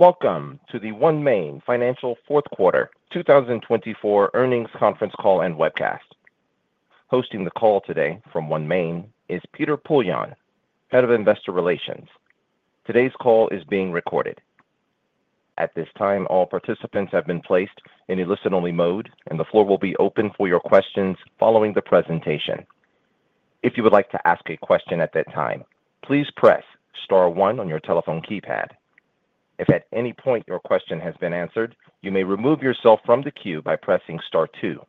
Welcome to the OneMain Financial Fourth Quarter 2024 Earnings Conference Call and Webcast. Hosting the call today from OneMain is Peter Poillon, Head of Investor Relations. Today's call is being recorded. At this time, all participants have been placed in a listen-only mode, and the floor will be open for your questions following the presentation. If you would like to ask a question at that time, please press star one on your telephone keypad. If at any point your question has been answered, you may remove yourself from the queue by pressing star two.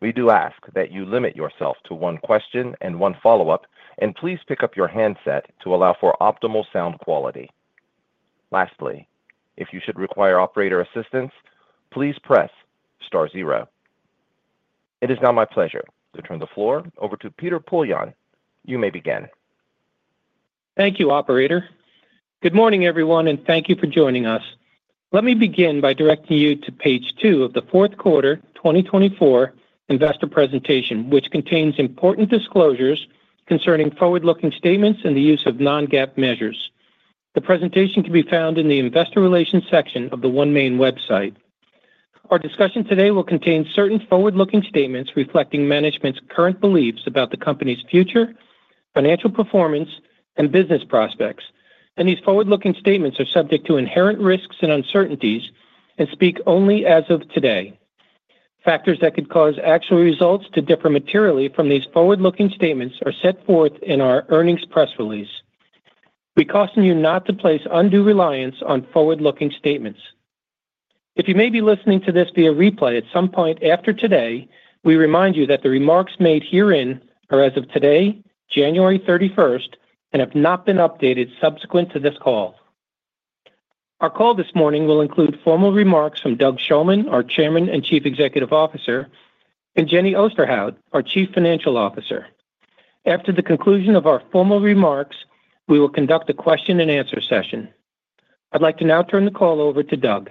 We do ask that you limit yourself to one question and one follow-up, and please pick up your handset to allow for optimal sound quality. Lastly, if you should require operator assistance, please press star zero. It is now my pleasure to turn the floor over to Peter Poillon. You may begin. Thank you, Operator. Good morning, everyone, and thank you for joining us. Let me begin by directing you to page two of the Fourth Quarter 2024 Investor Presentation, which contains important disclosures concerning forward-looking statements and the use of non-GAAP measures. The presentation can be found in the Investor Relations section of the OneMain website. Our discussion today will contain certain forward-looking statements reflecting management's current beliefs about the company's future, financial performance, and business prospects, and these forward-looking statements are subject to inherent risks and uncertainties and speak only as of today. Factors that could cause actual results to differ materially from these forward-looking statements are set forth in our earnings press release. We caution you not to place undue reliance on forward-looking statements. If you may be listening to this via replay at some point after today, we remind you that the remarks made herein are as of today, January 31st, and have not been updated subsequent to this call. Our call this morning will include formal remarks from Doug Shulman, our Chairman and Chief Executive Officer, and Jenny Osterhout, our Chief Financial Officer. After the conclusion of our formal remarks, we will conduct a question-and-answer session. I'd like to now turn the call over to Doug.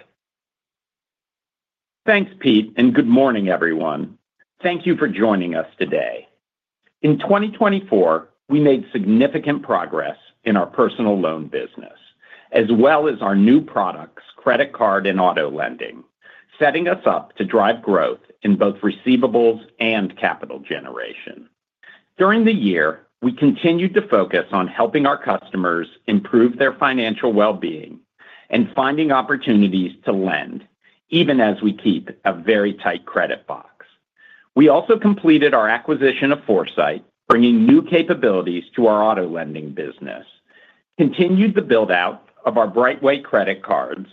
Thanks, Pete, and good morning, everyone. Thank you for joining us today. In 2024, we made significant progress in our personal loan business, as well as our new products, credit card and auto lending, setting us up to drive growth in both receivables and capital generation. During the year, we continued to focus on helping our customers improve their financial well-being and finding opportunities to lend, even as we keep a very tight credit box. We also completed our acquisition of Foursight, bringing new capabilities to our auto lending business, continued the build-out of our Brightway credit cards,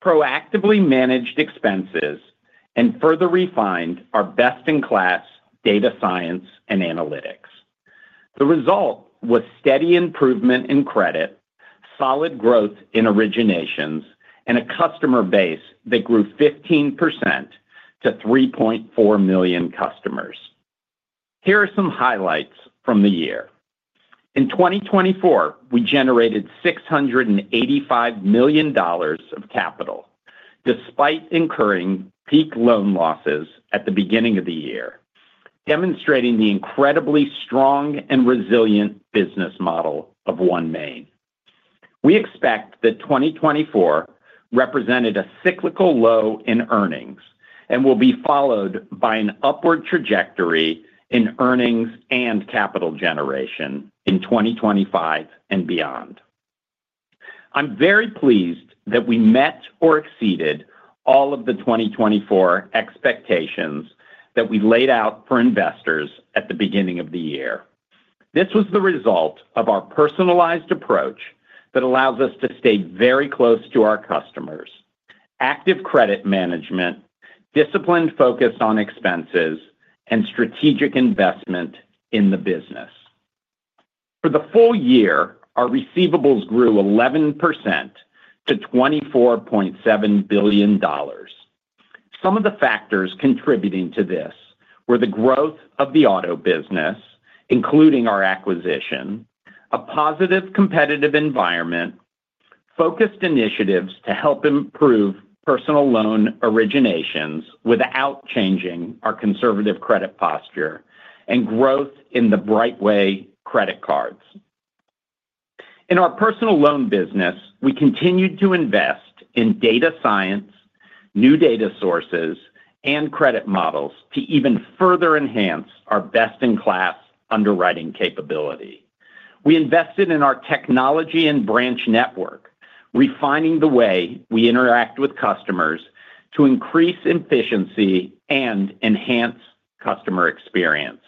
proactively managed expenses, and further refined our best-in-class data science and analytics. The result was steady improvement in credit, solid growth in originations, and a customer base that grew 15% to 3.4 million customers. Here are some highlights from the year. In 2024, we generated $685 million of capital despite incurring peak loan losses at the beginning of the year, demonstrating the incredibly strong and resilient business model of OneMain. We expect that 2024 represented a cyclical low in earnings and will be followed by an upward trajectory in earnings and capital generation in 2025 and beyond. I'm very pleased that we met or exceeded all of the 2024 expectations that we laid out for investors at the beginning of the year. This was the result of our personalized approach that allows us to stay very close to our customers, active credit management, disciplined focus on expenses, and strategic investment in the business. For the full year, our receivables grew 11% to $24.7 billion. Some of the factors contributing to this were the growth of the auto business, including our acquisition, a positive competitive environment, focused initiatives to help improve personal loan originations without changing our conservative credit posture, and growth in the Brightway credit cards. In our personal loan business, we continued to invest in data science, new data sources, and credit models to even further enhance our best-in-class underwriting capability. We invested in our technology and branch network, refining the way we interact with customers to increase efficiency and enhance customer experience,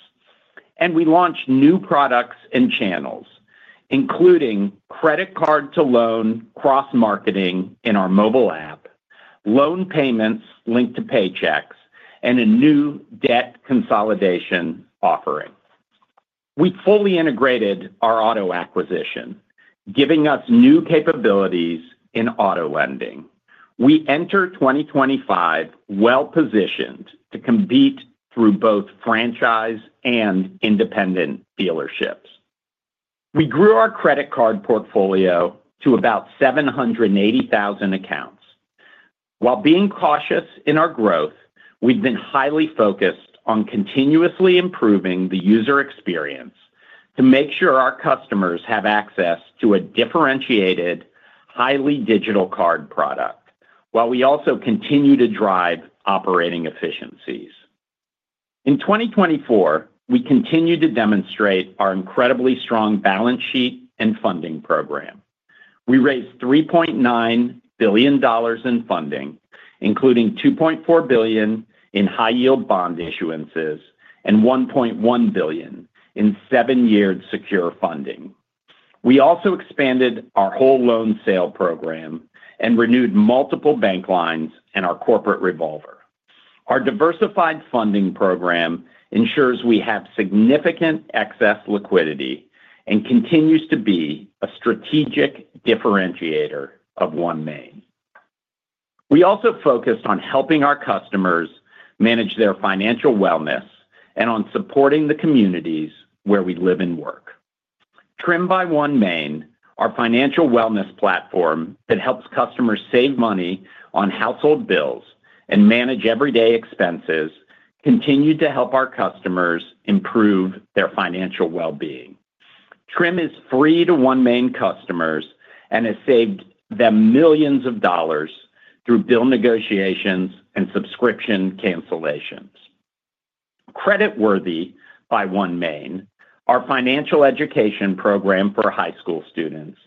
and we launched new products and channels, including credit card-to-loan cross-marketing in our mobile app, loan payments linked to paychecks, and a new debt consolidation offering. We fully integrated our auto acquisition, giving us new capabilities in auto lending. We enter 2025 well-positioned to compete through both franchise and independent dealerships. We grew our credit card portfolio to about 780,000 accounts. While being cautious in our growth, we've been highly focused on continuously improving the user experience to make sure our customers have access to a differentiated, highly digital card product, while we also continue to drive operating efficiencies. In 2024, we continue to demonstrate our incredibly strong balance sheet and funding program. We raised $3.9 billion in funding, including $2.4 billion in high-yield bond issuances and $1.1 billion in seven-year secure funding. We also expanded our whole loan sale program and renewed multiple bank lines and our corporate revolver. Our diversified funding program ensures we have significant excess liquidity and continues to be a strategic differentiator of OneMain. We also focused on helping our customers manage their financial wellness and on supporting the communities where we live and work. Trim by OneMain, our financial wellness platform that helps customers save money on household bills and manage everyday expenses, continued to help our customers improve their financial well-being. Trim is free to OneMain customers and has saved them millions of dollars through bill negotiations and subscription cancellations. Creditworthy by OneMain, our financial education program for high school students,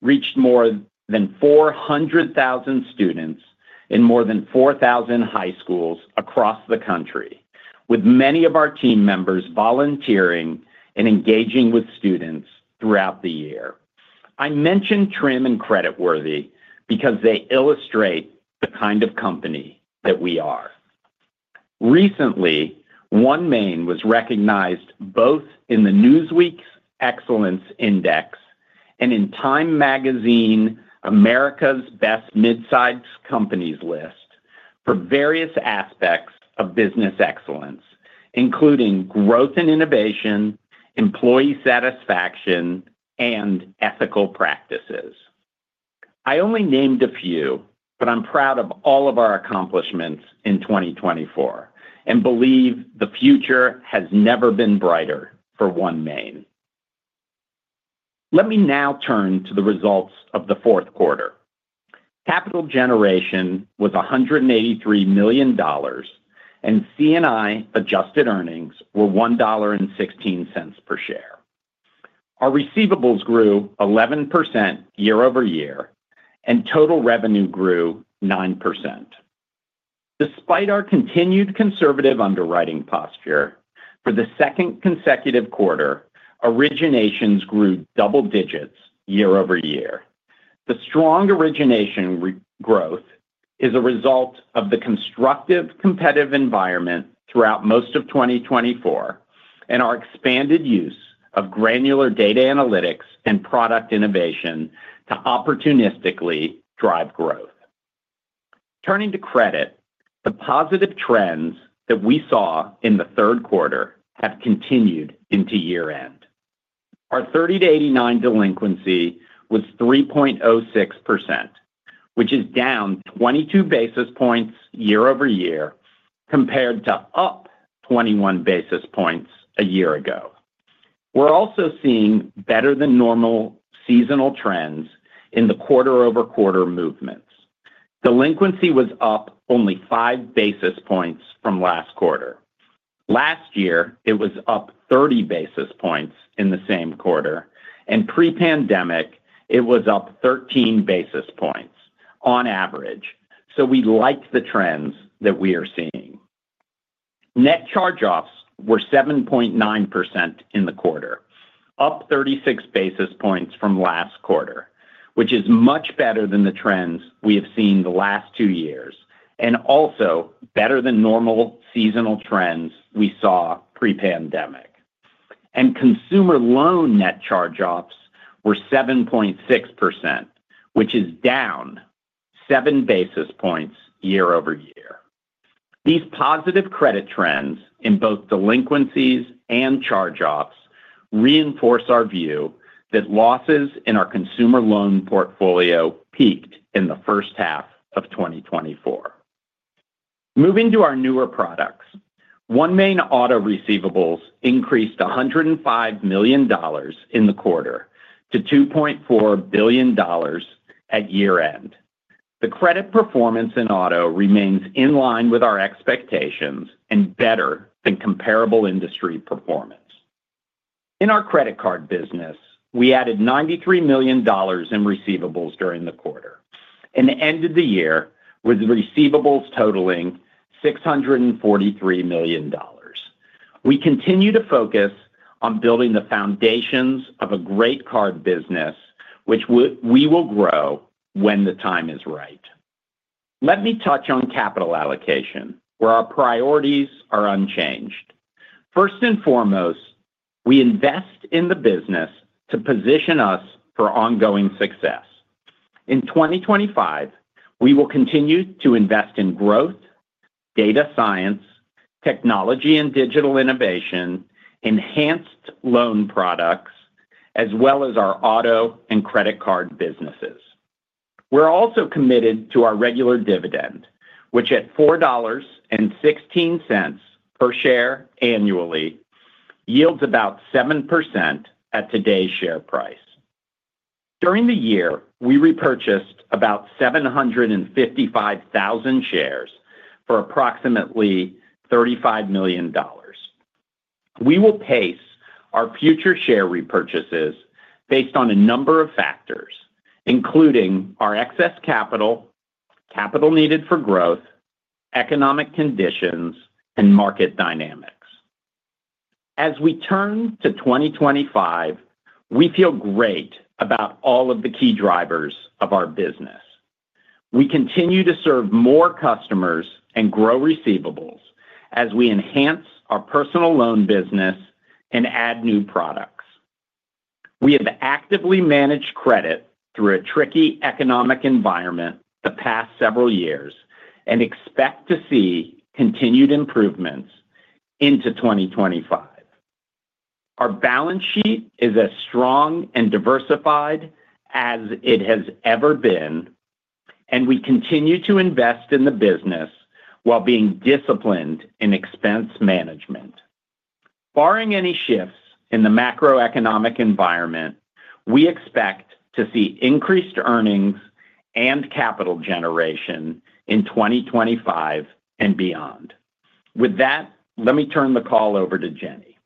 reached more than 400,000 students in more than 4,000 high schools across the country, with many of our team members volunteering and engaging with students throughout the year. I mention Trim and Creditworthy because they illustrate the kind of company that we are. Recently, OneMain was recognized both in Newsweek's Excellence Index and in Time Magazine's America's Best Midsize Companies list for various aspects of business excellence, including growth and innovation, employee satisfaction, and ethical practices. I only named a few, but I'm proud of all of our accomplishments in 2024 and believe the future has never been brighter for OneMain. Let me now turn to the results of the fourth quarter. Capital generation was $183 million, and C&I adjusted earnings were $1.16 per share. Our receivables grew year-over-year, and total revenue grew 9%. Despite our continued conservative underwriting posture, for the second consecutive quarter, originations grew double digits year-over-year. The strong origination growth is a result of the constructive competitive environment throughout most of 2024 and our expanded use of granular data analytics and product innovation to opportunistically drive growth. Turning to credit, the positive trends that we saw in the third quarter have continued into year-end. Our 30 to 89 delinquency was 3.06%, which is down 22 basis points year-over-year compared to up 21 basis points a year ago. We're also seeing better-than-normal seasonal trends in the quarter-over-quarter movements. Delinquency was up only five basis points from last quarter. Last year, it was up 30 basis points in the same quarter, and pre-pandemic, it was up 13 basis points on average. So we liked the trends that we are seeing. Net charge-offs were 7.9% in the quarter, up 36 basis points from last quarter, which is much better than the trends we have seen the last two years and also better than normal seasonal trends we saw pre-pandemic, and consumer loan net charge-offs were 7.6%, which is down seven basis points year-over-year. These positive credit trends in both delinquencies and charge-offs reinforce our view that losses in our consumer loan portfolio peaked in the first half of 2024. Moving to our newer products, OneMain Auto Receivables increased $105 million in the quarter to $2.4 billion at year-end. The credit performance in auto remains in line with our expectations and better than comparable industry performance. In our credit card business, we added $93 million in receivables during the quarter, and ended the year with receivables totaling $643 million. We continue to focus on building the foundations of a great card business, which we will grow when the time is right. Let me touch on capital allocation, where our priorities are unchanged. First and foremost, we invest in the business to position us for ongoing success. In 2025, we will continue to invest in growth, data science, technology and digital innovation, enhanced loan products, as well as our auto and credit card businesses. We're also committed to our regular dividend, which at $4.16 per share annually yields about 7% at today's share price. During the year, we repurchased about 755,000 shares for approximately $35 million. We will pace our future share repurchases based on a number of factors, including our excess capital, capital needed for growth, economic conditions, and market dynamics. As we turn to 2025, we feel great about all of the key drivers of our business. We continue to serve more customers and grow receivables as we enhance our personal loan business and add new products. We have actively managed credit through a tricky economic environment the past several years and expect to see continued improvements into 2025. Our balance sheet is as strong and diversified as it has ever been, and we continue to invest in the business while being disciplined in expense management. Barring any shifts in the macroeconomic environment, we expect to see increased earnings and capital generation in 2025 and beyond. With that, let me turn the call over to Jenny.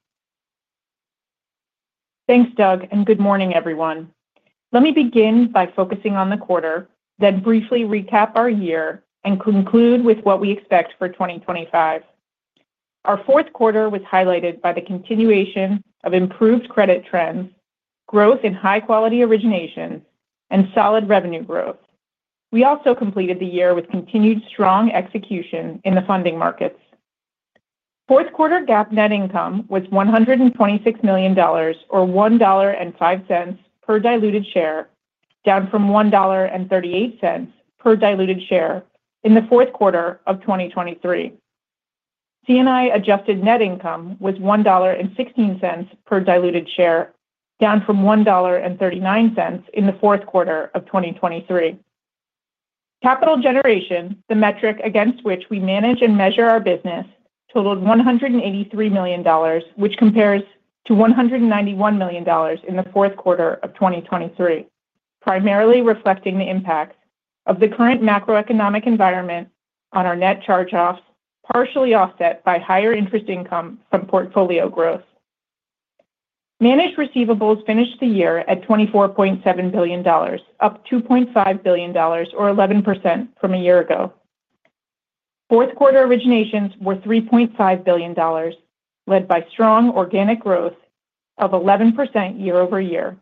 Thanks, Doug, and good morning, everyone. Let me begin by focusing on the quarter, then briefly recap our year and conclude with what we expect for 2025. Our Fourth Quarter was highlighted by the continuation of improved credit trends, growth in high-quality originations, and solid revenue growth. We also completed the year with continued strong execution in the funding markets. Fourth Quarter GAAP net income was $126 million, or $1.05 per diluted share, down from $1.38 per diluted share in the fourth quarter of 2023. C&I adjusted net income was $1.16 per diluted share, down from $1.39 in the fourth quarter of 2023. Capital generation, the metric against which we manage and measure our business, totaled $183 million, which compares to $191 million in the fourth quarter of 2023, primarily reflecting the impact of the current macroeconomic environment on our net charge-offs, partially offset by higher interest income from portfolio growth. Managed receivables finished the year at $24.7 billion, up $2.5 billion, or 11% from a year ago. Fourth quarter originations were $3.5 billion, led by strong organic growth of year-over-year.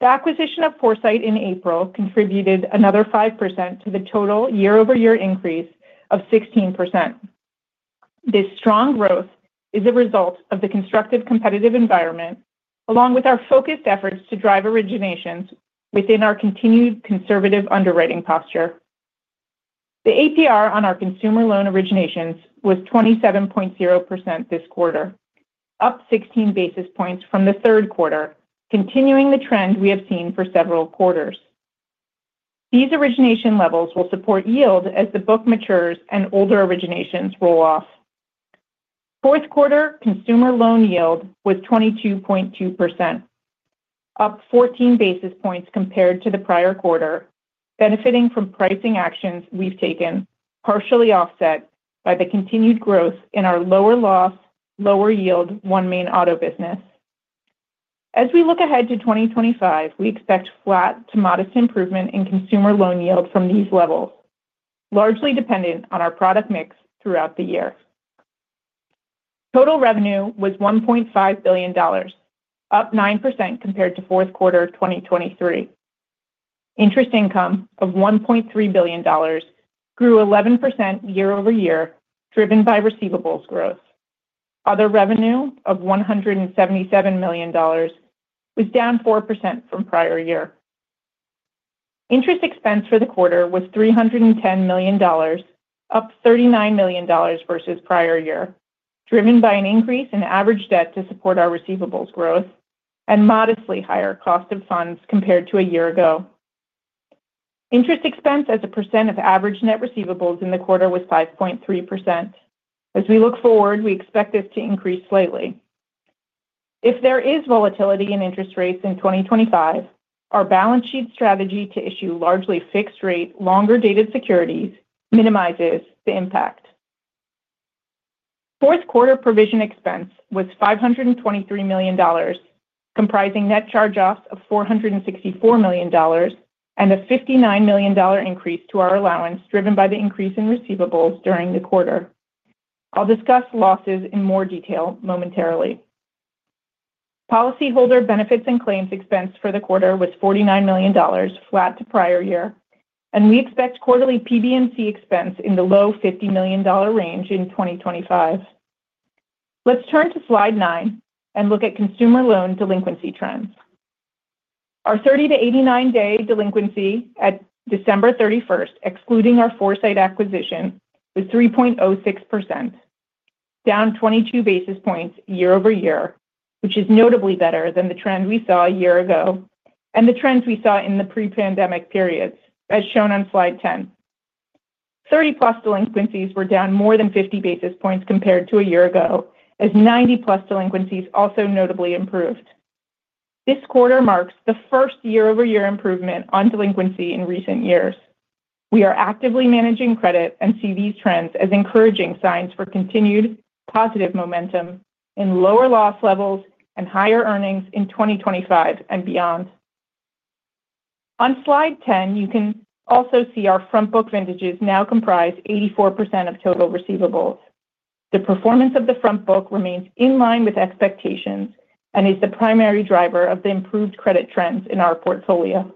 The acquisition of Foursight in April contributed another 5% to the total year-over-year increase of 16%. This strong growth is a result of the constructive competitive environment, along with our focused efforts to drive originations within our continued conservative underwriting posture. The APR on our consumer loan originations was 27.0% this quarter, up 16 basis points from the third quarter, continuing the trend we have seen for several quarters. These origination levels will support yield as the book matures and older originations roll off. fourth quarter consumer loan yield was 22.2%, up 14 basis points compared to the prior quarter, benefiting from pricing actions we've taken, partially offset by the continued growth in our lower loss, lower yield OneMain Auto business. As we look ahead to 2025, we expect flat to modest improvement in consumer loan yield from these levels, largely dependent on our product mix throughout the year. Total revenue was $1.5 billion, up 9% compared to fourth quarter 2023. Interest income of $1.3 billion grew year-over-year, driven by receivables growth. Other revenue of $177 million was down 4% from prior year. Interest expense for the quarter was $310 million, up $39 million versus prior year, driven by an increase in average debt to support our receivables growth and modestly higher cost of funds compared to a year ago. Interest expense as a % of average net receivables in the quarter was 5.3%. As we look forward, we expect this to increase slightly. If there is volatility in interest rates in 2025, our balance sheet strategy to issue largely fixed-rate longer-dated securities minimizes the impact. fourth quarter provision expense was $523 million, comprising net charge-offs of $464 million and a $59 million increase to our allowance driven by the increase in receivables during the quarter. I'll discuss losses in more detail momentarily. Policyholder benefits and claims expense for the quarter was $49 million, flat to prior year, and we expect quarterly PB&C expense in the low $50 million range in 2025. Let's turn to slide nine and look at consumer loan delinquency trends. Our 30 to 89-day delinquency at December 31st, excluding our Foursight acquisition, was 3.06%, down 22 basis year-over-year, which is notably better than the trend we saw a year ago and the trends we saw in the pre-pandemic periods, as shown on slide 10. 30-plus delinquencies were down more than 50 basis points compared to a year ago, as 90-plus delinquencies also notably improved. This quarter marks the first year-over-year improvement on delinquency in recent years. We are actively managing credit and see these trends as encouraging signs for continued positive momentum in lower loss levels and higher earnings in 2025 and beyond. On slide 10, you can also see our front book vintages now comprise 84% of total receivables. The performance of the front book remains in line with expectations and is the primary driver of the improved credit trends in our portfolio.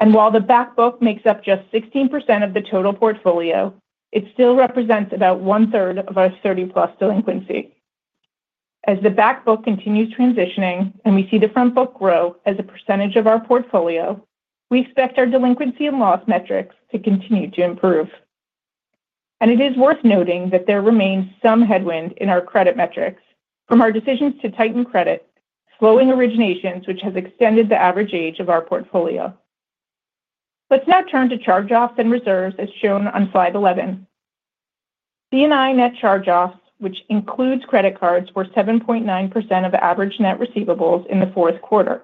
While the back book makes up just 16% of the total portfolio, it still represents about one-third of our 30-plus delinquency. As the back book continues transitioning and we see the front book grow as a percentage of our portfolio, we expect our delinquency and loss metrics to continue to improve. It is worth noting that there remains some headwind in our credit metrics from our decisions to tighten credit, slowing originations, which has extended the average age of our portfolio. Let's now turn to charge-offs and reserves, as shown on slide 11. C&I net charge-offs, which includes credit cards, were 7.9% of average net receivables in the fourth quarter,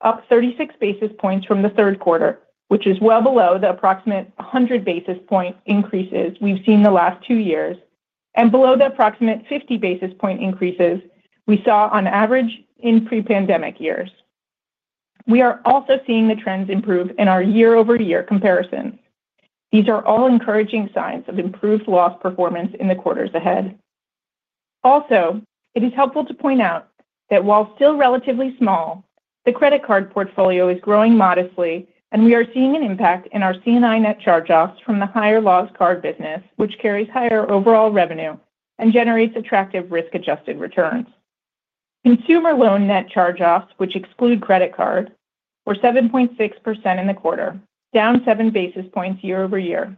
up 36 basis points from the third quarter, which is well below the approximate 100 basis point increases we've seen the last two years and below the approximate 50 basis point increases we saw on average in pre-pandemic years. We are also seeing the trends improve in our year-over-year comparisons. These are all encouraging signs of improved loss performance in the quarters ahead. Also, it is helpful to point out that while still relatively small, the credit card portfolio is growing modestly, and we are seeing an impact in our C&I net charge-offs from the higher-loss card business, which carries higher overall revenue and generates attractive risk-adjusted returns. Consumer loan net charge-offs, which exclude credit card, were 7.6% in the quarter, down 7 basis points year-over-year.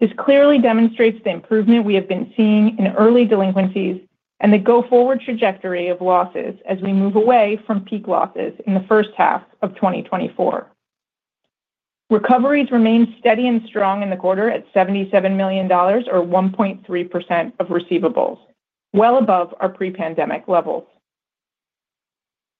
This clearly demonstrates the improvement we have been seeing in early delinquencies and the go-forward trajectory of losses as we move away from peak losses in the first half of 2024. Recoveries remain steady and strong in the quarter at $77 million, or 1.3% of receivables, well above our pre-pandemic levels.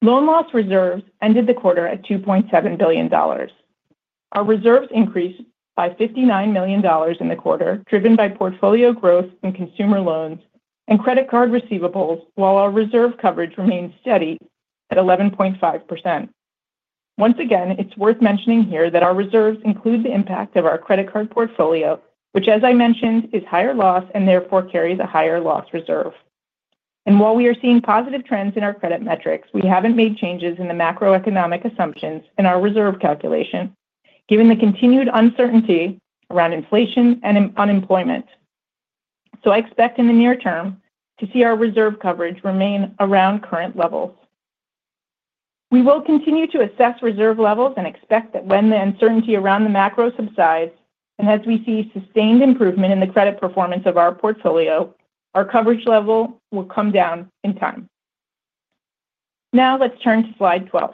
Loan loss reserves ended the quarter at $2.7 billion. Our reserves increased by $59 million in the quarter, driven by portfolio growth in consumer loans and credit card receivables, while our reserve coverage remained steady at 11.5%. Once again, it's worth mentioning here that our reserves include the impact of our credit card portfolio, which, as I mentioned, is higher loss and therefore carries a higher loss reserve, and while we are seeing positive trends in our credit metrics, we haven't made changes in the macroeconomic assumptions in our reserve calculation, given the continued uncertainty around inflation and unemployment. So I expect in the near term to see our reserve coverage remain around current levels. We will continue to assess reserve levels and expect that when the uncertainty around the macro subsides and as we see sustained improvement in the credit performance of our portfolio, our coverage level will come down in time. Now let's turn to slide 12.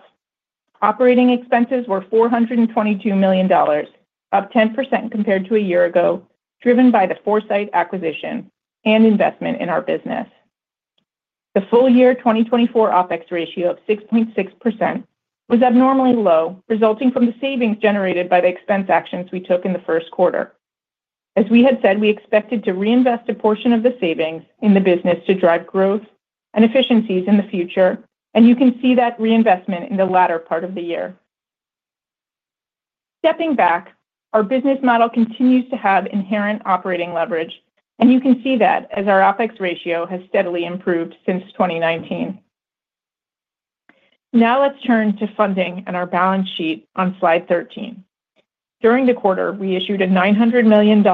Operating expenses were $422 million, up 10% compared to a year ago, driven by the Foursight acquisition and investment in our business. The full-year 2024 OpEx ratio of 6.6% was abnormally low, resulting from the savings generated by the expense actions we took in the first quarter. As we had said, we expected to reinvest a portion of the savings in the business to drive growth and efficiencies in the future, and you can see that reinvestment in the latter part of the year. Stepping back, our business model continues to have inherent operating leverage, and you can see that as our OpEx ratio has steadily improved since 2019. Now let's turn to funding and our balance sheet on slide 13. During the quarter, we issued a $900 million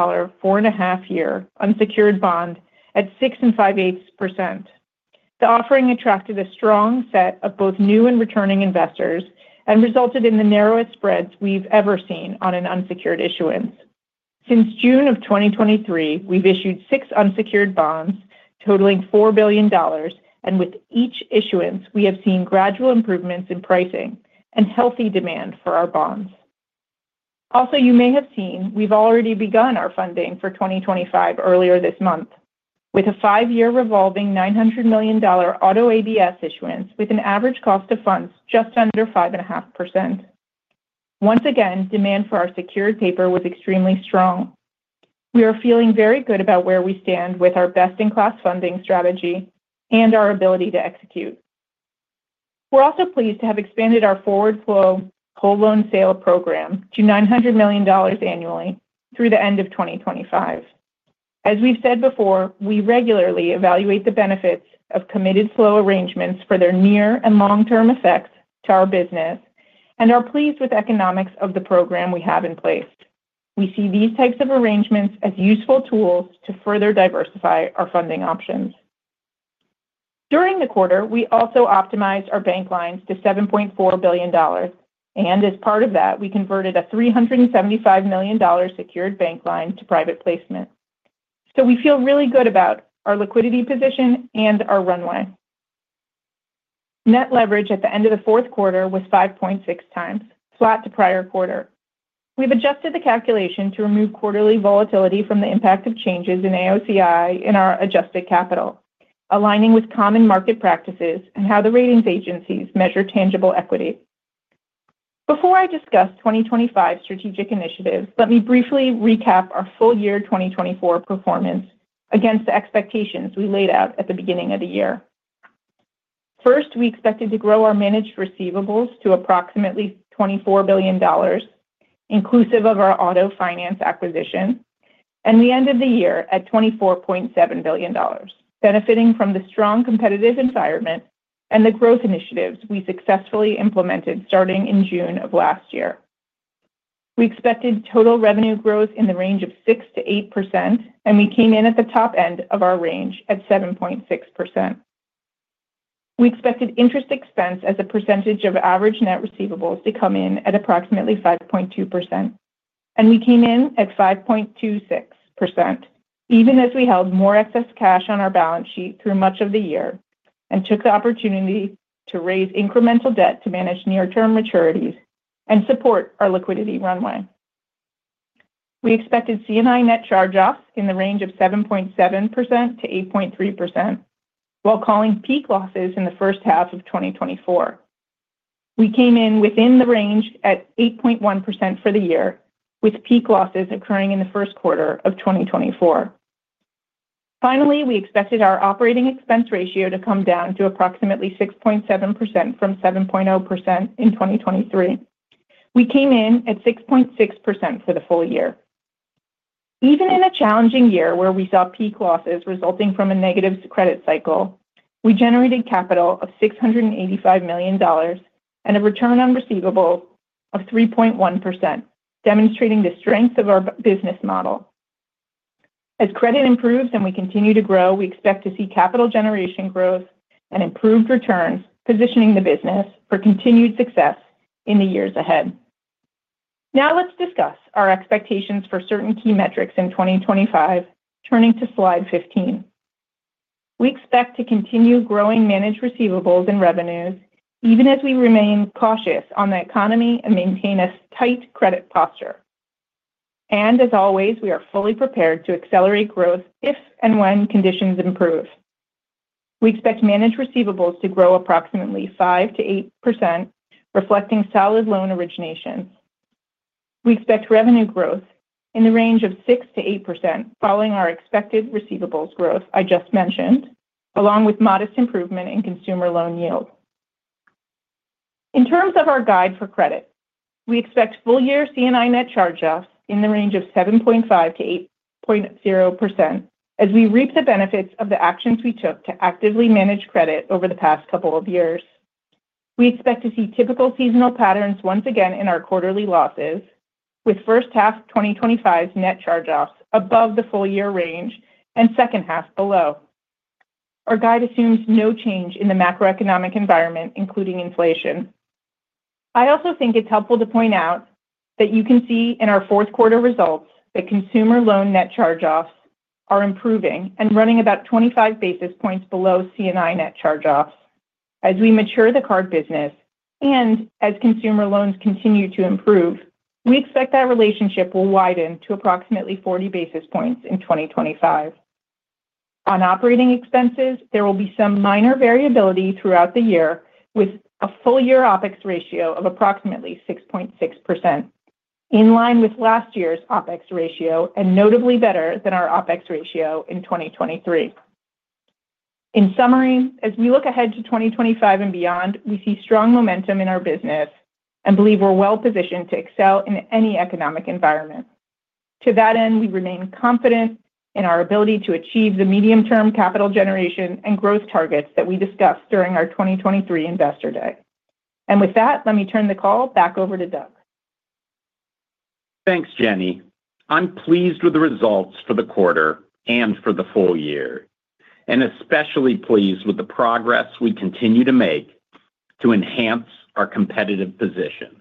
four-and-a-half-year unsecured bond at 6.58%. The offering attracted a strong set of both new and returning investors and resulted in the narrowest spreads we've ever seen on an unsecured issuance. Since June of 2023, we've issued six unsecured bonds totaling $4 billion, and with each issuance, we have seen gradual improvements in pricing and healthy demand for our bonds. Also, you may have seen we've already begun our funding for 2025 earlier this month with a five-year revolving $900 million auto ABS issuance with an average cost of funds just under 5.5%. Once again, demand for our secured paper was extremely strong. We are feeling very good about where we stand with our best-in-class funding strategy and our ability to execute. We're also pleased to have expanded our forward-flow whole loan sale program to $900 million annually through the end of 2025. As we've said before, we regularly evaluate the benefits of committed flow arrangements for their near and long-term effects to our business and are pleased with the economics of the program we have in place. We see these types of arrangements as useful tools to further diversify our funding options. During the quarter, we also optimized our bank lines to $7.4 billion, and as part of that, we converted a $375 million secured bank line to private placement. So we feel really good about our liquidity position and our runway. Net leverage at the end of the fourth quarter was 5.6 times, flat to prior quarter. We've adjusted the calculation to remove quarterly volatility from the impact of changes in AOCI in our adjusted capital, aligning with common market practices and how the ratings agencies measure tangible equity. Before I discuss 2025 strategic initiatives, let me briefly recap our full-year 2024 performance against the expectations we laid out at the beginning of the year. First, we expected to grow our managed receivables to approximately $24 billion, inclusive of our auto finance acquisition, and we ended the year at $24.7 billion, benefiting from the strong competitive environment and the growth initiatives we successfully implemented starting in June of last year. We expected total revenue growth in the range of 6% to 8%, and we came in at the top end of our range at 7.6%. We expected interest expense as a percentage of average net receivables to come in at approximately 5.2%, and we came in at 5.26%, even as we held more excess cash on our balance sheet through much of the year and took the opportunity to raise incremental debt to manage near-term maturities and support our liquidity runway. We expected C&I net charge-offs in the range of 7.7%-8.3%, while calling peak losses in the first half of 2024. We came in within the range at 8.1% for the year, with peak losses occurring in the first quarter of 2024. Finally, we expected our operating expense ratio to come down to approximately 6.7% from 7.0% in 2023. We came in at 6.6% for the full year. Even in a challenging year where we saw peak losses resulting from a negative credit cycle, we generated capital of $685 million and a return on receivables of 3.1%, demonstrating the strength of our business model. As credit improves and we continue to grow, we expect to see capital generation growth and improved returns positioning the business for continued success in the years ahead. Now let's discuss our expectations for certain key metrics in 2025, turning to slide 15. We expect to continue growing managed receivables and revenues, even as we remain cautious on the economy and maintain a tight credit posture. As always, we are fully prepared to accelerate growth if and when conditions improve. We expect managed receivables to grow approximately 5%-8%, reflecting solid loan originations. We expect revenue growth in the range of 6%-8% following our expected receivables growth I just mentioned, along with modest improvement in consumer loan yield. In terms of our guide for credit, we expect full-year C&I net charge-offs in the range of 7.5%-8.0% as we reap the benefits of the actions we took to actively manage credit over the past couple of years. We expect to see typical seasonal patterns once again in our quarterly losses, with First Half 2025's net charge-offs above the full-year range and Second Half below. Our guide assumes no change in the macroeconomic environment, including inflation. I also think it's helpful to point out that you can see in our fourth quarter results that consumer loan net charge-offs are improving and running about 25 basis points below C&I net charge-offs as we mature the card business and as consumer loans continue to improve. We expect that relationship will widen to approximately 40 basis points in 2025. On operating expenses, there will be some minor variability throughout the year, with a full-year OpEx ratio of approximately 6.6%, in line with last year's OpEx ratio and notably better than our OpEx ratio in 2023. In summary, as we look ahead to 2025 and beyond, we see strong momentum in our business and believe we're well-positioned to excel in any economic environment. To that end, we remain confident in our ability to achieve the medium-term capital generation and growth targets that we discussed during our 2023 Investor Day. With that, let me turn the call back over to Doug. Thanks, Jenny. I'm pleased with the results for the quarter and for the full year, and especially pleased with the progress we continue to make to enhance our competitive position.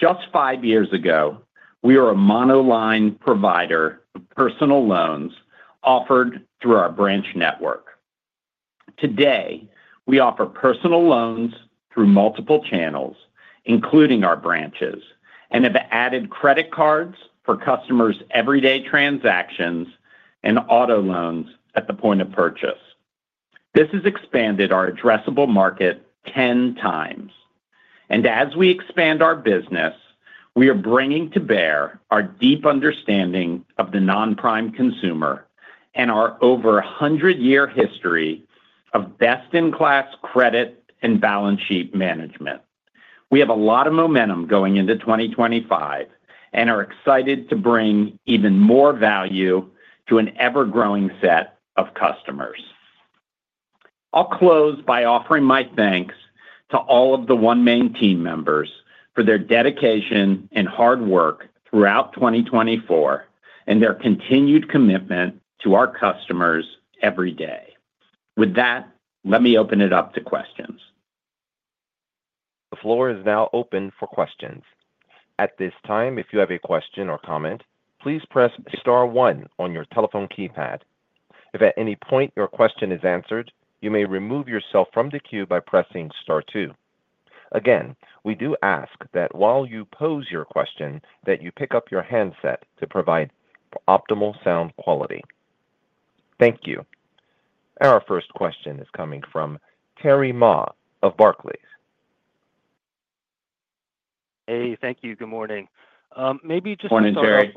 Just five years ago, we were a monoline provider of personal loans offered through our branch network. Today, we offer personal loans through multiple channels, including our branches, and have added credit cards for customers' everyday transactions and auto loans at the point of purchase. This has expanded our addressable market 10 times. As we expand our business, we are bringing to bear our deep understanding of the non-prime consumer and our over 100-year history of best-in-class credit and balance sheet management. We have a lot of momentum going into 2025 and are excited to bring even more value to an ever-growing set of customers. I'll close by offering my thanks to all of the OneMain team members for their dedication and hard work throughout 2024 and their continued commitment to our customers every day. With that, let me open it up to questions. The floor is now open for questions. At this time, if you have a question or comment, please press star one on your telephone keypad. If at any point your question is answered, you may remove yourself from the queue by pressing star two. Again, we do ask that while you pose your question, that you pick up your handset to provide optimal sound quality. Thank you. Our first question is coming from Terry Ma of Barclays. Hey, thank you. Good morning. Maybe just to start off with. Morning, Terry.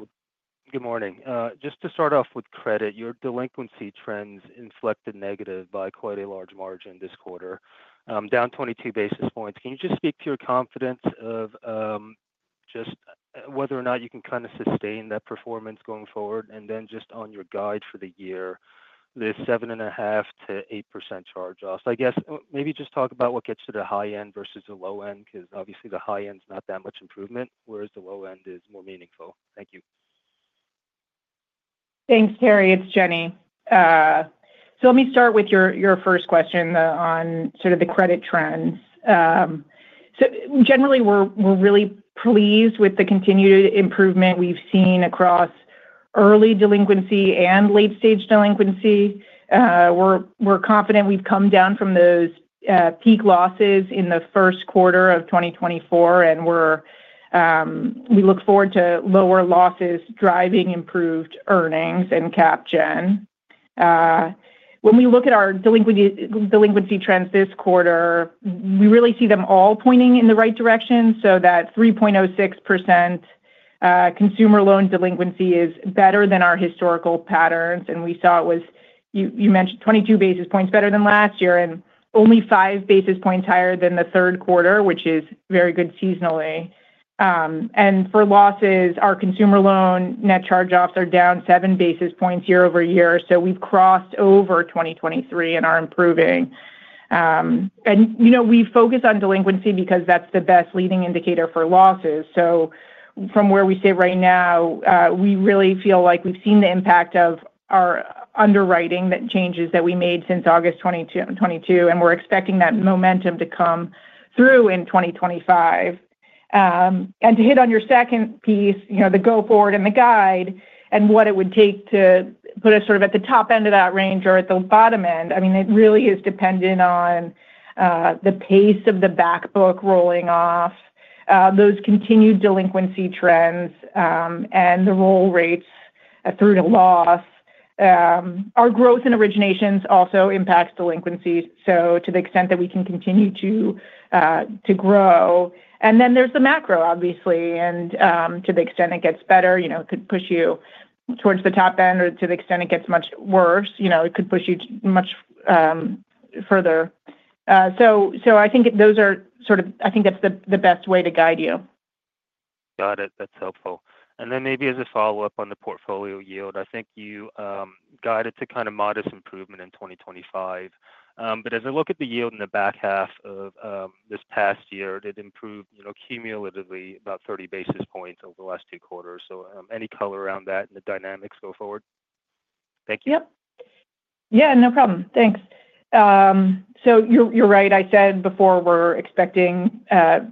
Good morning. Just to start off with credit, your delinquency trends inflected negative by quite a large margin this quarter, down 22 basis points. Can you just speak to your confidence of just whether or not you can kind of sustain that performance going forward? And then just on your guide for the year, the 7.5%-8% charge-offs, I guess, maybe just talk about what gets to the high end versus the low end, because obviously the high end's not that much improvement, whereas the low end is more meaningful. Thank you. Thanks, Terry. It's Jenny. So let me start with your first question on sort of the credit trends. So generally, we're really pleased with the continued improvement we've seen across early delinquency and late-stage delinquency. We're confident we've come down from those peak losses in the first quarter of 2024, and we look forward to lower losses driving improved earnings and cap gen. When we look at our delinquency trends this quarter, we really see them all pointing in the right direction, so that 3.06% consumer loan delinquency is better than our historical patterns. And we saw it was, you mentioned, 22 basis points better than last year and only five basis points higher than the third quarter, which is very good seasonally. And for losses, our consumer loan net charge-offs are down seven basis year-over-year, so we've crossed over 2023 and are improving. And we focus on delinquency because that's the best leading indicator for losses. From where we sit right now, we really feel like we've seen the impact of our underwriting changes that we made since August 2022, and we're expecting that momentum to come through in 2025. To hit on your second piece, the go-forward and the guide and what it would take to put us sort of at the top end of that range or at the bottom end, I mean, it really is dependent on the pace of the back book rolling off, those continued delinquency trends, and the roll rates through to loss. Our growth and originations also impact delinquencies, so to the extent that we can continue to grow. Then there's the macro, obviously, and to the extent it gets better, it could push you towards the top end, or to the extent it gets much worse, it could push you much further. So I think those are sort of. I think that's the best way to guide you. Got it. That's helpful. And then maybe as a follow-up on the portfolio yield, I think you guided to kind of modest improvement in 2025. But as I look at the yield in the back half of this past year, it improved cumulatively about 30 basis points over the last two quarters. So any color around that and the dynamics go forward? Thank you. Yep. Yeah, no problem. Thanks. So you're right. I said before we're expecting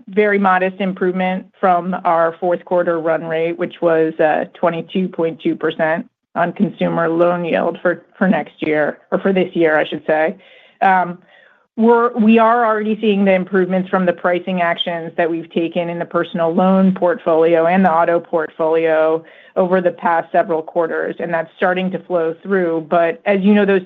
very modest improvement from our fourth quarter run rate, which was 22.2% on consumer loan yield for next year, or for this year, I should say. We are already seeing the improvements from the pricing actions that we've taken in the personal loan portfolio and the auto portfolio over the past several quarters, and that's starting to flow through, but as you know, those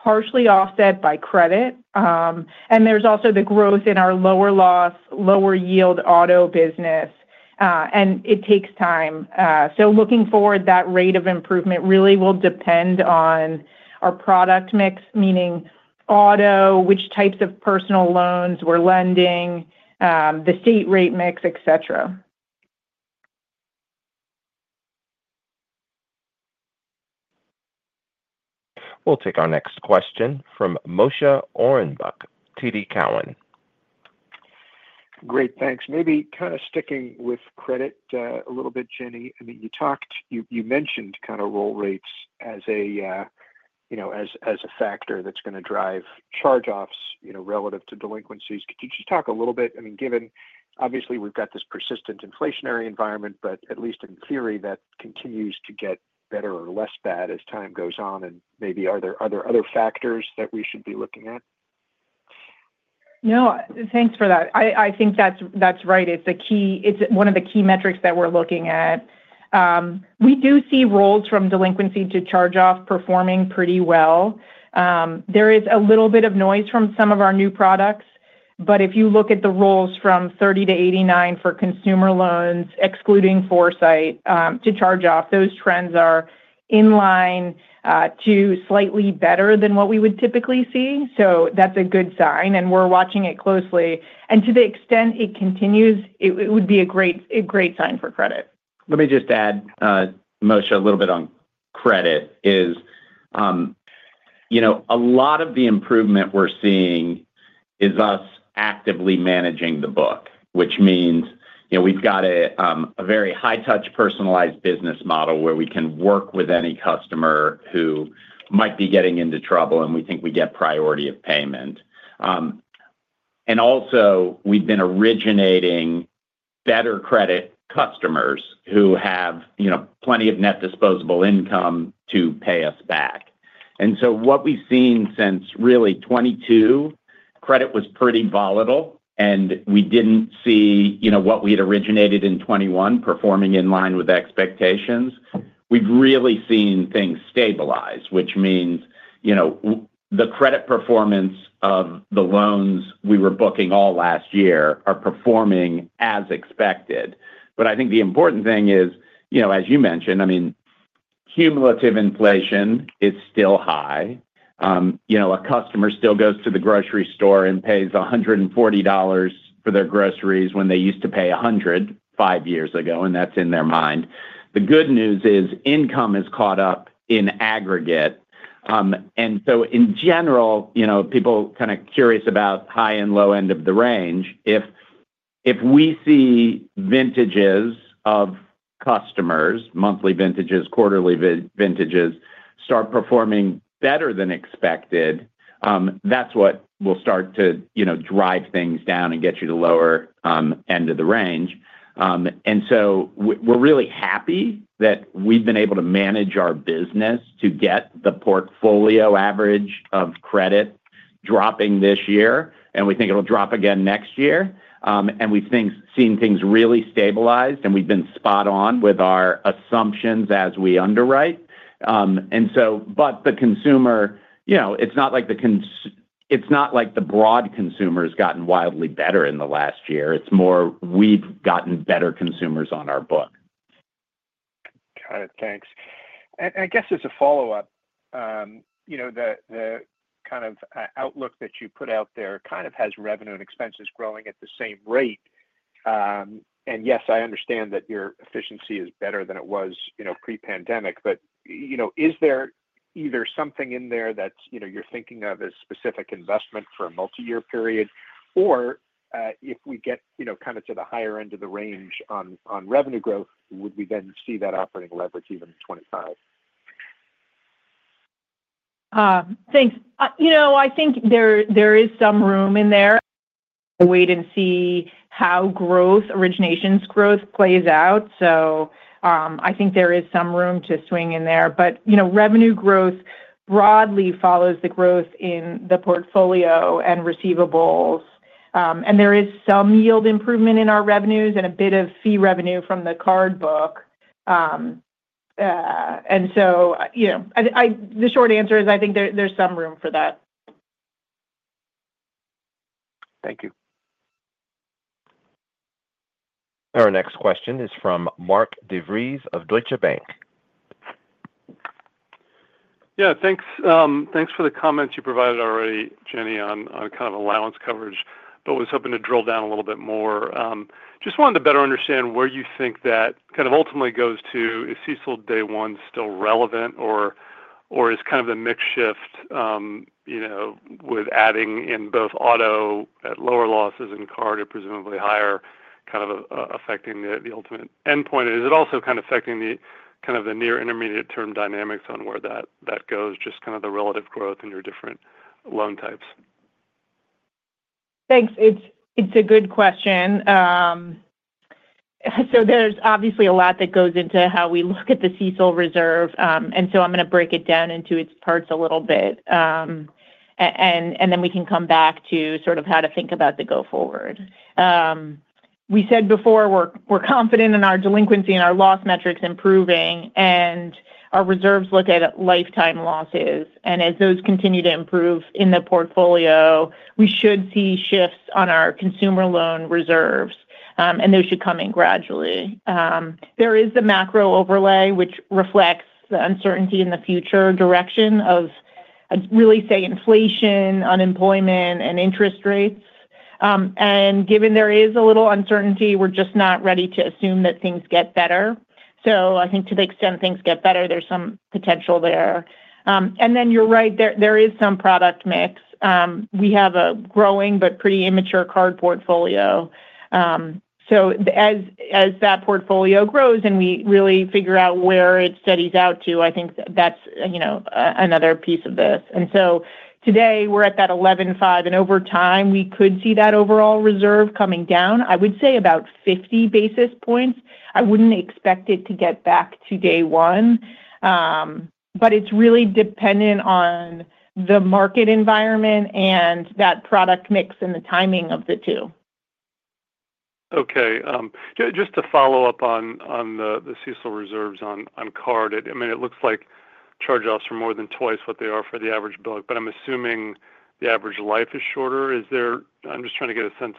tailwinds are partially offset by credit, and there's also the growth in our lower loss, lower yield auto business, and it takes time, so looking forward, that rate of improvement really will depend on our product mix, meaning auto, which types of personal loans we're lending, the state rate mix, etc. We'll take our next question from Moshe Orenbuch, TD Cowen. Great. Thanks. Maybe kind of sticking with credit a little bit, Jenny. I mean, you talked, you mentioned kind of roll rates as a factor that's going to drive charge-offs relative to delinquencies. Could you just talk a little bit? I mean, given, obviously, we've got this persistent inflationary environment, but at least in theory, that continues to get better or less bad as time goes on, and maybe are there other factors that we should be looking at? No, thanks for that. I think that's right. It's one of the key metrics that we're looking at. We do see rolls from delinquency to charge-off performing pretty well. There is a little bit of noise from some of our new products, but if you look at the rolls from 30 to 89 for consumer loans, excluding Foursight, to charge-off, those trends are in line to slightly better than what we would typically see. So that's a good sign, and we're watching it closely, and to the extent it continues, it would be a great sign for credit. Let me just add, Moshe, a little bit on credit. A lot of the improvement we're seeing is us actively managing the book, which means we've got a very high-touch personalized business model where we can work with any customer who might be getting into trouble, and we think we get priority of payment. And also, we've been originating better credit customers who have plenty of net disposable income to pay us back. And so what we've seen since really 2022, credit was pretty volatile, and we didn't see what we had originated in 2021 performing in line with expectations. We've really seen things stabilize, which means the credit performance of the loans we were booking all last year are performing as expected. But I think the important thing is, as you mentioned, I mean, cumulative inflation is still high. A customer still goes to the grocery store and pays $140 for their groceries when they used to pay $100 five years ago, and that's in their mind. The good news is income has caught up in aggregate. And so in general, people kind of curious about high and low end of the range. If we see vintages of customers, monthly vintages, quarterly vintages start performing better than expected, that's what will start to drive things down and get you to lower end of the range. And so we're really happy that we've been able to manage our business to get the portfolio average of credit dropping this year, and we think it'll drop again next year. And we've seen things really stabilized, and we've been spot on with our assumptions as we underwrite. The consumer, it's not like the broad consumer has gotten wildly better in the last year. It's more we've gotten better consumers on our book. Got it. Thanks. I guess as a follow-up, the kind of outlook that you put out there kind of has revenue and expenses growing at the same rate. Yes, I understand that your efficiency is better than it was pre-pandemic, but is there either something in there that you're thinking of as specific investment for a multi-year period, or if we get kind of to the higher end of the range on revenue growth, would we then see that operating leverage even in 2025? Thanks. I think there is some room in there. Wait and see how originations growth plays out. I think there is some room to swing in there. But revenue growth broadly follows the growth in the portfolio and receivables. And there is some yield improvement in our revenues and a bit of fee revenue from the card book. And so the short answer is I think there's some room for that. Thank you. Our next question is from Mark DeVries of Deutsche Bank. Yeah, thanks. Thanks for the comments you provided already, Jenny, on kind of allowance coverage, but was hoping to drill down a little bit more. Just wanted to better understand where you think that kind of ultimately goes to. Is CECL Day One still relevant, or is kind of the mix shift with adding in both auto at lower losses and card at presumably higher kind of affecting the ultimate endpoint? Is it also kind of affecting the kind of the near-intermediate term dynamics on where that goes, just kind of the relative growth in your different loan types? Thanks. It's a good question. So there's obviously a lot that goes into how we look at the CECL reserve, and so I'm going to break it down into its parts a little bit, and then we can come back to sort of how to think about the go forward. We said before we're confident in our delinquency and our loss metrics improving, and our reserves look at lifetime losses. And as those continue to improve in the portfolio, we should see shifts on our consumer loan reserves, and those should come in gradually. There is the macro overlay, which reflects the uncertainty in the future direction of, really say, inflation, unemployment, and interest rates. And given there is a little uncertainty, we're just not ready to assume that things get better. So I think to the extent things get better, there's some potential there. And then you're right, there is some product mix. We have a growing but pretty immature card portfolio. So as that portfolio grows and we really figure out where it steadies out to, I think that's another piece of this. And so today we're at that 11.5, and over time we could see that overall reserve coming down, I would say about 50 basis points. I wouldn't expect it to get back to day one, but it's really dependent on the market environment and that product mix and the timing of the two. Okay. Just to follow up on the CECL reserves on card, I mean, it looks like charge-offs are more than twice what they are for the average book, but I'm assuming the average life is shorter. I'm just trying to get a sense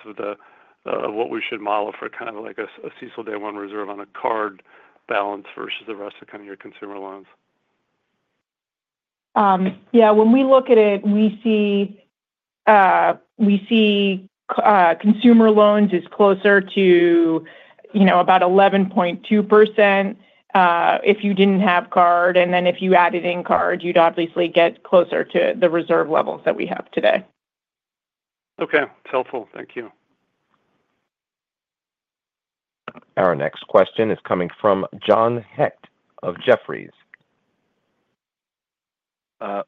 of what we should model for kind of like a CECL Day One reserve on a card balance versus the rest of kind of your consumer loans. Yeah. When we look at it, we see consumer loans is closer to about 11.2% if you didn't have card, and then if you added in card, you'd obviously get closer to the reserve levels that we have today. Okay. It's helpful. Thank you. Our next question is coming from John Hecht of Jefferies.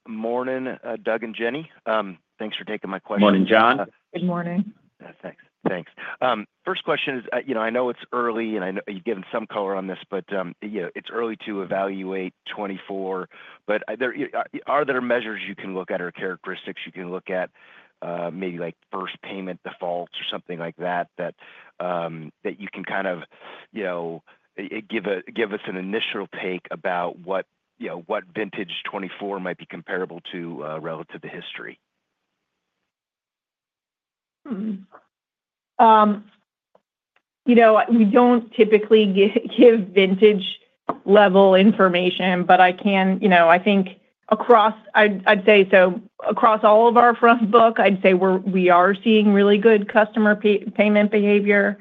Morning, Doug and Jenny. Thanks for taking my question. Morning, John. Good morning. Thanks. Thanks. First question is, I know it's early, and you've given some color on this, but it's early to evaluate 2024. But are there measures you can look at or characteristics you can look at, maybe like first payment defaults or something like that, that you can kind of give us an initial take about what vintage 2024 might be comparable to relative to history? We don't typically give vintage-level information, but I think, I'd say so across all of our front book, I'd say we are seeing really good customer payment behavior.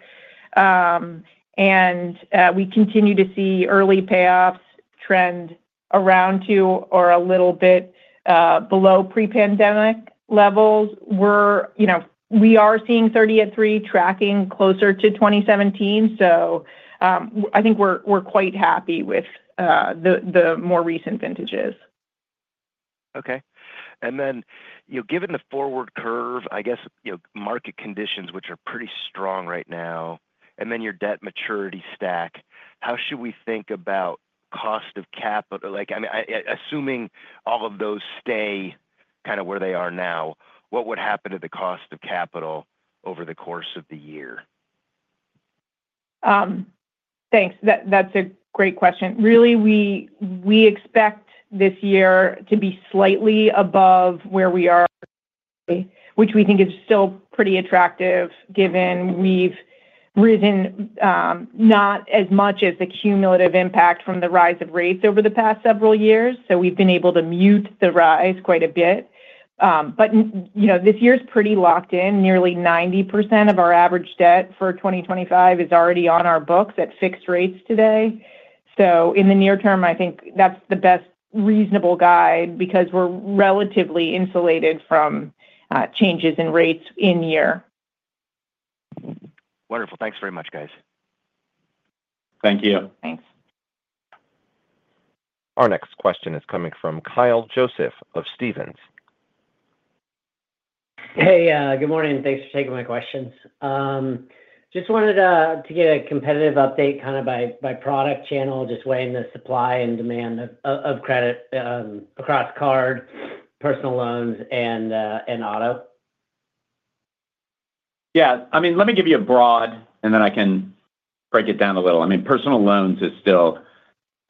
And we continue to see early payoffs trend around to or a little bit below pre-pandemic levels. We are seeing 30 at 3 tracking closer to 2017. So I think we're quite happy with the more recent vintages. Okay. Then, given the forward curve, I guess market conditions, which are pretty strong right now, and then your debt maturity stack, how should we think about cost of capital? I mean, assuming all of those stay kind of where they are now, what would happen to the cost of capital over the course of the year? Thanks. That's a great question. Really, we expect this year to be slightly above where we are, which we think is still pretty attractive given we've risen not as much as the cumulative impact from the rise of rates over the past several years. We've been able to mute the rise quite a bit. This year's pretty locked in. Nearly 90% of our average debt for 2025 is already on our books at fixed rates today. So in the near term, I think that's the best reasonable guide because we're relatively insulated from changes in rates in year. Wonderful. Thanks very much, guys. Thank you. Thanks. Our next question is coming from Kyle Joseph of Stephens. Hey, good morning. Thanks for taking my questions. Just wanted to get a competitive update kind of by product channel, just weighing the supply and demand of credit across card, personal loans, and auto. Yeah. I mean, let me give you a broad, and then I can break it down a little. I mean, personal loans is still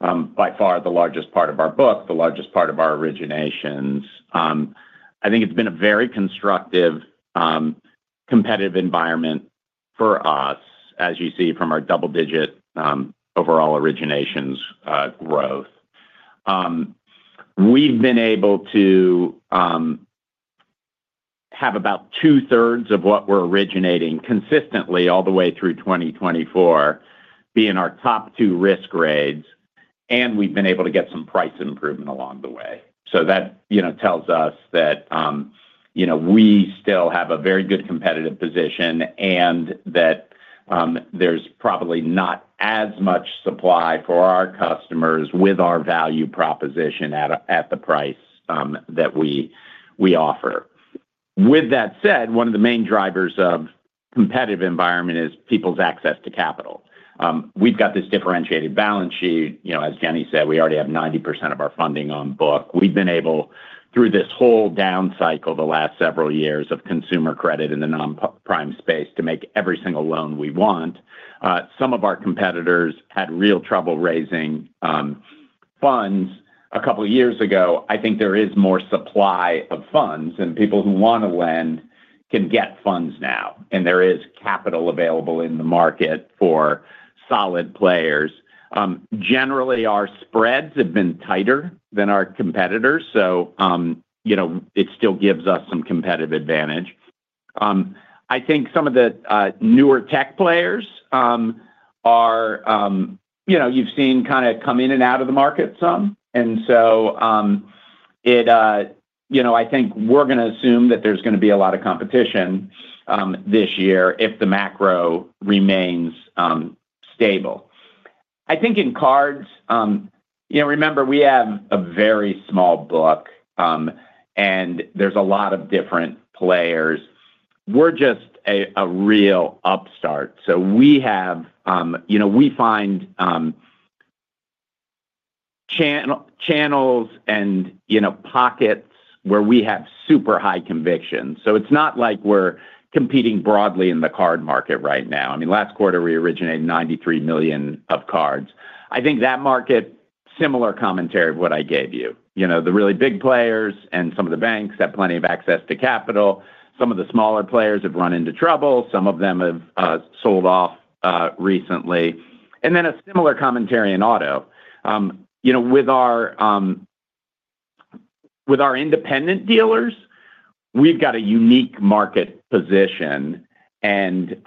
by far the largest part of our book, the largest part of our originations. I think it's been a very constructive competitive environment for us, as you see from our double-digit overall originations growth. We've been able to have about two-thirds of what we're originating consistently all the way through 2024 be in our top two risk grades, and we've been able to get some price improvement along the way. So that tells us that we still have a very good competitive position and that there's probably not as much supply for our customers with our value proposition at the price that we offer. With that said, one of the main drivers of competitive environment is people's access to capital. We've got this differentiated balance sheet. As Jenny said, we already have 90% of our funding on book. We've been able, through this whole down cycle the last several years of consumer credit in the non-prime space, to make every single loan we want. Some of our competitors had real trouble raising funds a couple of years ago. I think there is more supply of funds, and people who want to lend can get funds now, and there is capital available in the market for solid players. Generally, our spreads have been tighter than our competitors, so it still gives us some competitive advantage. I think some of the newer tech players, as you've seen, kind of come in and out of the market some, so I think we're going to assume that there's going to be a lot of competition this year if the macro remains stable. I think in cards, remember, we have a very small book, and there's a lot of different players. We're just a real upstart. So we find channels and pockets where we have super high conviction. So it's not like we're competing broadly in the card market right now. I mean, last quarter, we originated $93 million of cards. I think that market, similar commentary of what I gave you. The really big players and some of the banks have plenty of access to capital. Some of the smaller players have run into trouble. Some of them have sold off recently. And then a similar commentary in auto. With our independent dealers, we've got a unique market position, and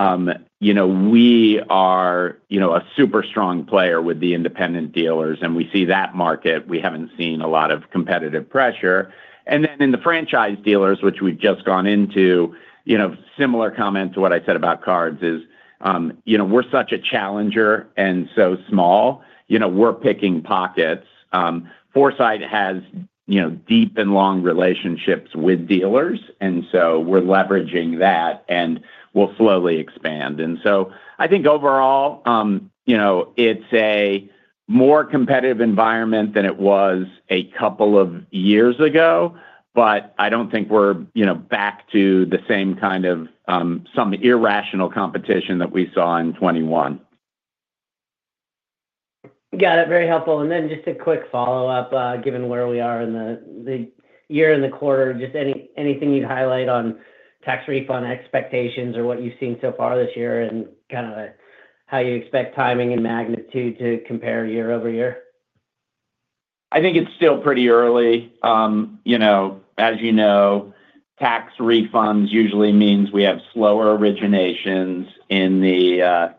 we are a super strong player with the independent dealers, and we see that market. We haven't seen a lot of competitive pressure. And then in the franchise dealers, which we've just gone into, similar comment to what I said about cards is we're such a challenger and so small. We're picking pockets. Foresight has deep and long relationships with dealers, and so we're leveraging that, and we'll slowly expand. And so, I think overall, it's a more competitive environment than it was a couple of years ago, but I don't think we're back to the same kind of some irrational competition that we saw in 2021. Got it. Very helpful. And then, just a quick follow-up, given where we are in the year and the quarter, just anything you'd highlight on tax refund expectations or what you've seen so far this year and kind of how you expect timing and magnitude to year-over-year? I think it's still pretty early. As you know, tax refunds usually means we have slower originations in the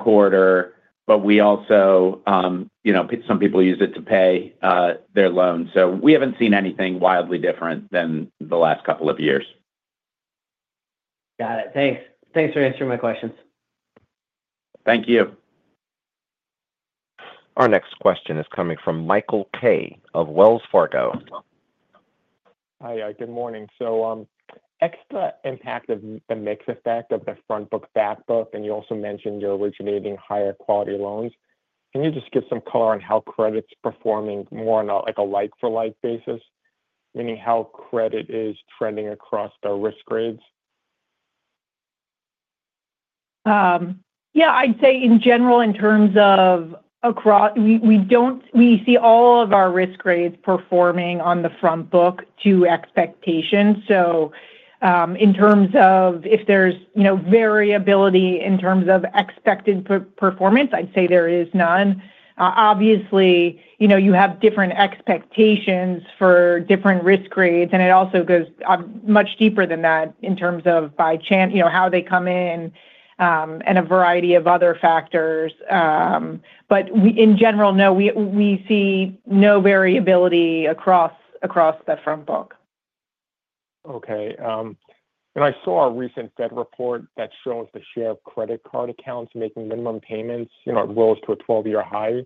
quarter, but we also some people use it to pay their loans. So we haven't seen anything wildly different than the last couple of years. Got it. Thanks. Thanks for answering my questions. Thank you. Our next question is coming from Michael Kaye of Wells Fargo. Hi. Good morning. So extra impact of the mix effect of the front book, back book, and you also mentioned you're originating higher quality loans. Can you just give some color on how credit's performing more on a like-for-like basis, meaning how credit is trending across the risk grades? Yeah. I'd say in general, in terms of we see all of our risk grades performing on the front book to expectation. So in terms of if there's variability in terms of expected performance, I'd say there is none. Obviously, you have different expectations for different risk grades, and it also goes much deeper than that in terms of by channel, how they come in, and a variety of other factors. But in general, no, we see no variability across the front book. Okay. I saw a recent Fed report that shows the share of credit card accounts making minimum payments rose to a 12-year high.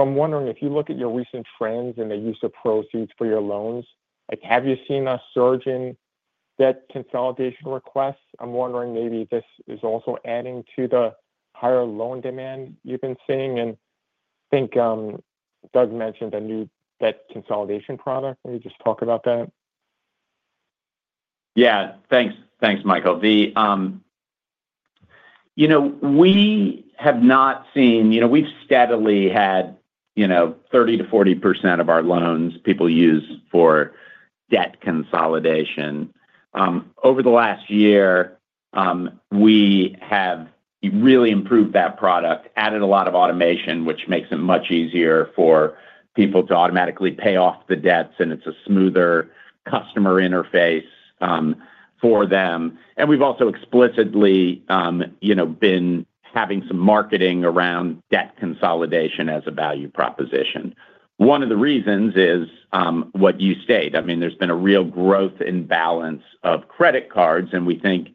I'm wondering, if you look at your recent trends in the use of proceeds for your loans, have you seen a surge in debt consolidation requests? I'm wondering maybe this is also adding to the higher loan demand you've been seeing. I think Doug mentioned a new debt consolidation product. Can you just talk about that? Yeah. Thanks, Michael. We have not seen. We've steadily had 30%-40% of our loans people use for debt consolidation. Over the last year, we have really improved that product, added a lot of automation, which makes it much easier for people to automatically pay off the debts, and it's a smoother customer interface for them. We've also explicitly been having some marketing around debt consolidation as a value proposition. One of the reasons is what you state. I mean, there's been a real growth in balance of credit cards, and we think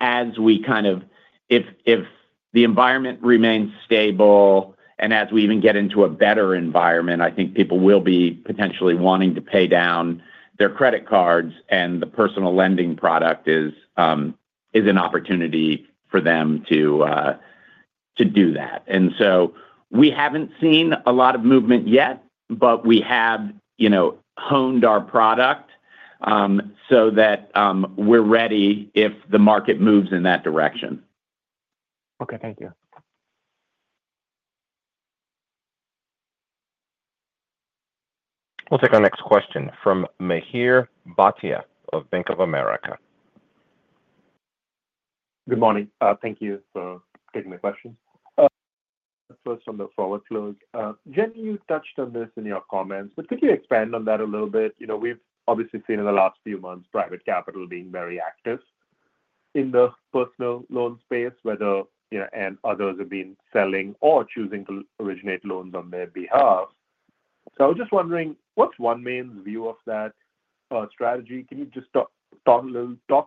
as we kind of if the environment remains stable and as we even get into a better environment, I think people will be potentially wanting to pay down their credit cards, and the personal lending product is an opportunity for them to do that. And so we haven't seen a lot of movement yet, but we have honed our product so that we're ready if the market moves in that direction. Okay. Thank you. We'll take our next question from Mihir Bhatia of Bank of America. Good morning. Thank you for taking the question. First, on the forward flow, Jenny, you touched on this in your comments, but could you expand on that a little bit? We've obviously seen in the last few months private capital being very active in the personal loan space, whether and others have been selling or choosing to originate loans on their behalf. So I was just wondering, what's OneMain's view of that strategy? Can you just talk a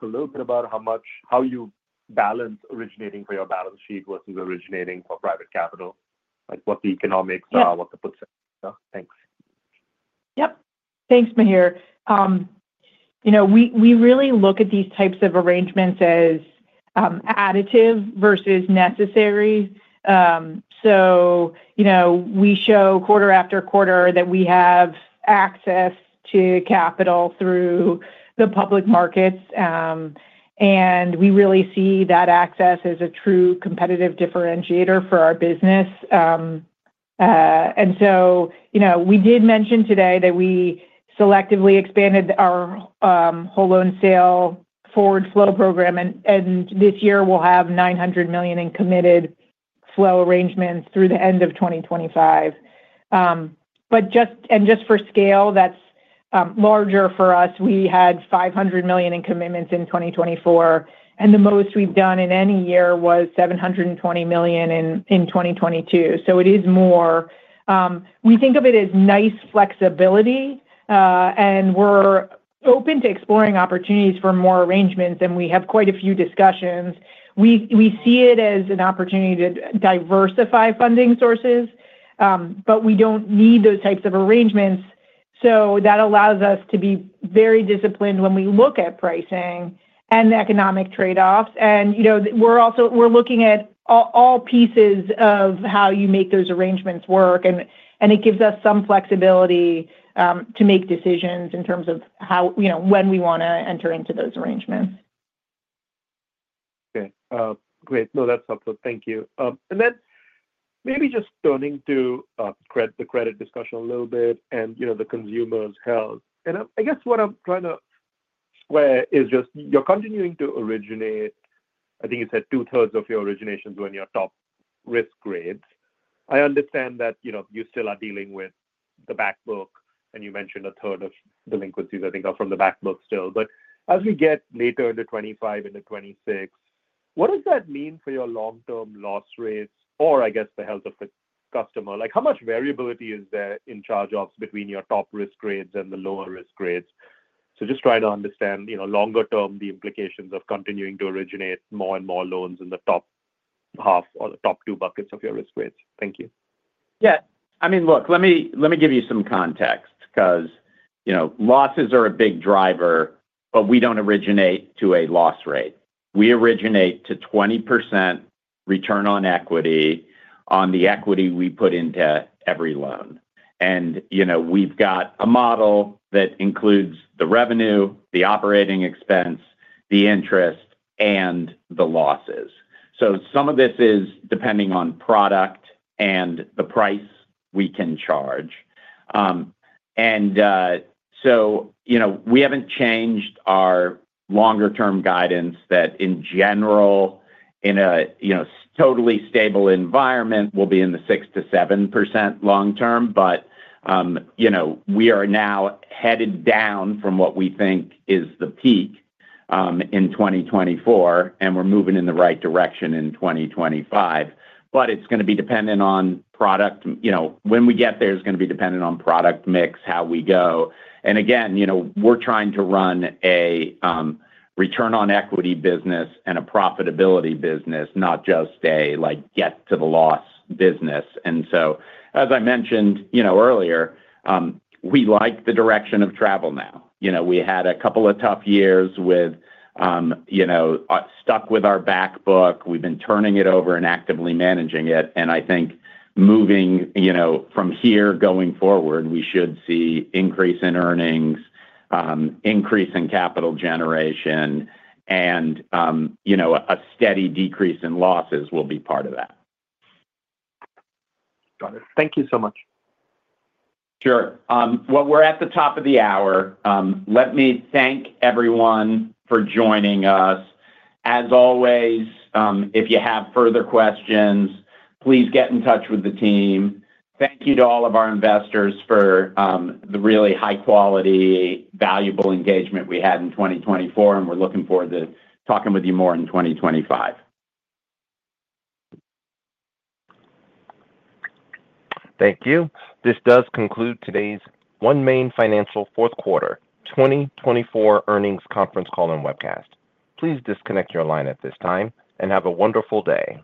little bit about how you balance originating for your balance sheet versus originating for private capital, what the economics are, what the puts? Thanks. Yep. Thanks, Mihir. We really look at these types of arrangements as additive versus necessary. So we show quarter after quarter that we have access to capital through the public markets, and we really see that access as a true competitive differentiator for our business. And so we did mention today that we selectively expanded our whole loan sale forward flow program, and this year we'll have $900 million in committed flow arrangements through the end of 2025. And just for scale, that's larger for us. We had $500 million in commitments in 2024, and the most we've done in any year was $720 million in 2022. So it is more. We think of it as nice flexibility, and we're open to exploring opportunities for more arrangements, and we have quite a few discussions. We see it as an opportunity to diversify funding sources, but we don't need those types of arrangements. So that allows us to be very disciplined when we look at pricing and the economic trade-offs. And we're looking at all pieces of how you make those arrangements work, and it gives us some flexibility to make decisions in terms of when we want to enter into those arrangements. Okay. Great. No, that's helpful. Thank you. And then maybe just turning to the credit discussion a little bit and the consumer's health. And I guess what I'm trying to square is just you're continuing to originate. I think you said two-thirds of your originations were in your top risk grades. I understand that you still are dealing with the back book, and you mentioned a third of delinquencies, I think, are from the back book still. But as we get later into 2025 into 2026, what does that mean for your long-term loss rates or, I guess, the health of the customer? How much variability is there in charge-offs between your top risk grades and the lower risk grades? So just trying to understand longer-term the implications of continuing to originate more and more loans in the top half or the top two buckets of your risk grades. Thank you. Yeah. I mean, look, let me give you some context because losses are a big driver, but we don't originate to a loss rate. We originate to 20% return on equity on the equity we put into every loan. And we've got a model that includes the revenue, the operating expense, the interest, and the losses. So some of this is depending on product and the price we can charge. And so we haven't changed our longer-term guidance that, in general, in a totally stable environment, we'll be in the 6%-7% long-term, but we are now headed down from what we think is the peak in 2024, and we're moving in the right direction in 2025. But it's going to be dependent on product. When we get there, it's going to be dependent on product mix, how we go. And again, we're trying to run a return on equity business and a profitability business, not just a get-to-the-loss business. And so, as I mentioned earlier, we like the direction of travel now. We had a couple of tough years stuck with our back book. We've been turning it over and actively managing it. And I think moving from here going forward, we should see increase in earnings, increase in capital generation, and a steady decrease in losses will be part of that. Got it. Thank you so much. Sure. Well, we're at the top of the hour. Let me thank everyone for joining us. As always, if you have further questions, please get in touch with the team. Thank you to all of our investors for the really high-quality, valuable engagement we had in 2024, and we're looking forward to talking with you more in 2025. Thank you. This does conclude today's OneMain Financial Fourth Quarter 2024 earnings conference call and webcast. Please disconnect your line at this time and have a wonderful day.